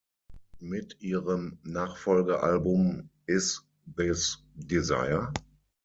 Mit ihrem Nachfolgealbum "Is This Desire?